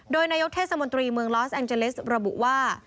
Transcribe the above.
โดยนายกเทศมนตรีเมืองลอสแองเจลิสระบุว่า